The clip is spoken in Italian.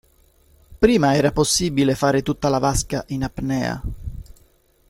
Prima era possibile fare tutta la vasca in apnea.